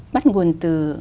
bắt nguồn từ